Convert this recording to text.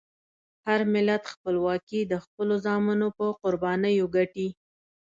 هر ملت خپلواکي د خپلو زامنو په قربانیو ګټي.